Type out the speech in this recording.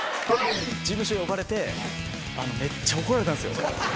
事務所呼ばれてめっちゃ怒られたんですよ。